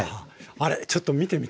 あれちょっと見てみたい。